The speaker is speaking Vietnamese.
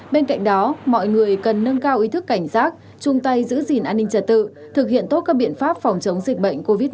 bên cạnh đó mọi người cần nâng cao ý thức cảnh giác chung tay giữ gìn an ninh trật tự thực hiện tốt các biện pháp phòng chống dịch bệnh covid một mươi chín